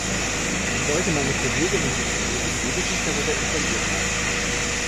Ich wollte meine Kolleginnen und Kollegen lediglich darüber informiert haben.